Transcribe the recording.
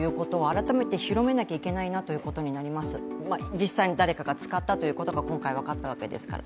実際に誰かが使ったということが今回分かったわけですから。